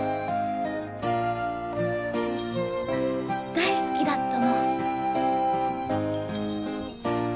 大好きだったもん。